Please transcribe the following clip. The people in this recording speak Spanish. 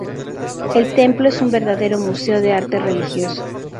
El templo es un verdadero museo de arte religioso.